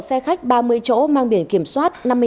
xe khách ba mươi chỗ mang biển kiểm soát